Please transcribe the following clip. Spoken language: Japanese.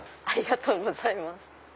ありがとうございます。